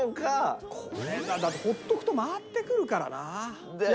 これが放っておくと回ってくるからな。